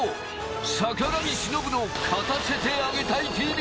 『坂上忍の勝たせてあげたいＴＶ』。